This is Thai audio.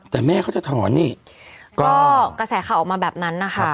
แต่แม่เขาจะถอนนี่ก็กระแสข่าวออกมาแบบนั้นนะคะ